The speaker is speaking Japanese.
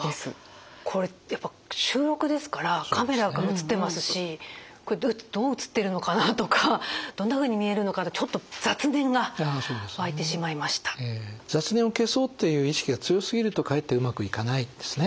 これやっぱ収録ですからカメラがうつってますしどううつってるのかなとかどんなふうに見えるのかなってちょっと雑念を消そうという意識が強すぎるとかえってうまくいかないんですね。